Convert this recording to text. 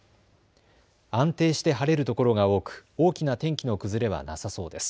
安定して晴れるところが多く大きな天気の崩れはなさそうです。